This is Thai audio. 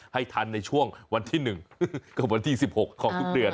ให้ทันในช่วงวันที่๑กับวันที่๑๖ของทุกเดือน